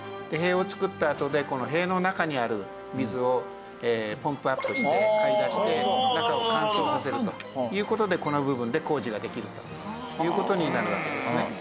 で塀をつくったあとでこの塀の中にある水をポンプアップしてかき出して中を乾燥させるという事でこの部分で工事ができるという事になるわけですね。